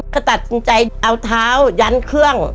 ก็ตัดสินใจเอาเท้ายันเครื่อง